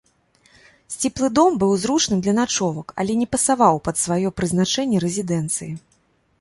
Сціплы дом быў зручным для начовак, але не пасаваў пад свае прызначэнне рэзідэнцыі.